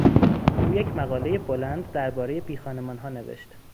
او یک مقالهی بلند دربارهی بیخانمانها نوشت.